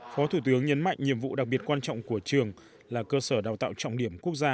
phó thủ tướng nhấn mạnh nhiệm vụ đặc biệt quan trọng của trường là cơ sở đào tạo trọng điểm quốc gia